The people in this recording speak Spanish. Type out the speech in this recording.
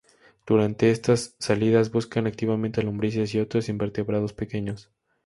Durante estas salidas buscan activamente lombrices y otros invertebrados pequeños.